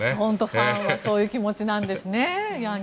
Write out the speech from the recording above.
ファンはそういう気持ちなんですね。